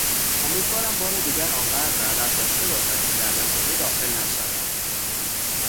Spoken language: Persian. امیدوارم بار دیگر آنقدر ادب داشته باشد که در نزده داخل نشود.